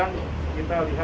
dan diperiksa oleh kpk